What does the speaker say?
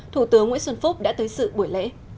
thủ tướng nguyễn xuân phúc đã tới sự buổi lễ